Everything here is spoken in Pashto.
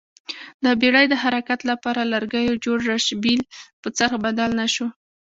د بېړۍ د حرکت لپاره لرګیو جوړ راشبېل په څرخ بدل نه شو